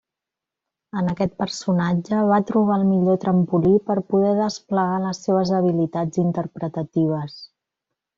En aquest personatge va trobar el millor trampolí per poder desplegar les seves habilitats interpretatives.